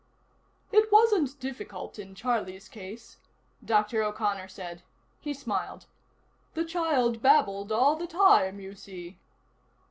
"It wasn't difficult in Charlie's case," Dr. O'Connor said. He smiled. "The child babbled all the time, you see."